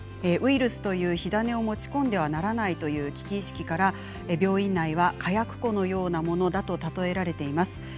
ウイルスという火種を持ち込んではならないという危機意識から、病院内は火薬庫のようなものだと例えられています。